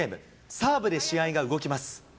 サーブで試合が動きます。